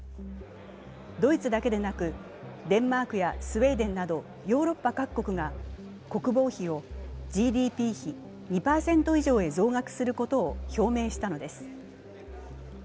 ドイツだけでなく、デンマークやスウェーデンなどヨーロッパ各国が国防費をＧＤＰ比２％以上へ増額することを表明したのです。